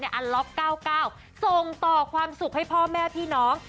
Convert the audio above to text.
อัลล็อก๙๙ส่งต่อความสุขให้พ่อแม่พี่น้อง